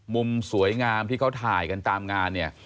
มุมสวยงามที่เขาถ่ายกันตามงานเนี่ย